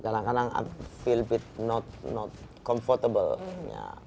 kadang kadang saya tidak merasa nyaman